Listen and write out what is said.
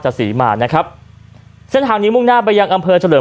ศรีมานะครับเส้นทางนี้มุ่งหน้าไปยังอำเภอเฉลิม